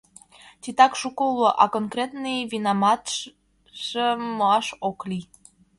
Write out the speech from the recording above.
Титак шуко уло, а конкретный винаматанжым муаш ок лий.